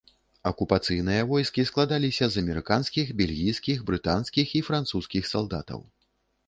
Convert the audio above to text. Акупацыйныя войскі складаліся з амерыканскіх, бельгійскіх, брытанскіх і французскіх салдатаў.